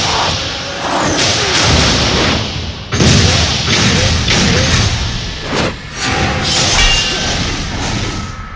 aku tidak boleh kaget makhluk seperti mu